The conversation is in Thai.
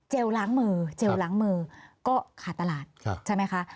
ล้างมือเจลล้างมือก็ขาดตลาดใช่ไหมคะ